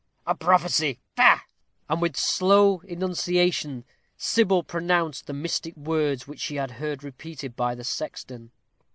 "A prophecy? Ha!" And with slow enunciation Sybil pronounced the mystic words which she had heard repeated by the sexton.